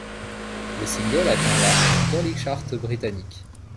Le single atteint la dans les charts britanniques.